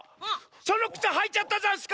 そのくつはいちゃったざんすか？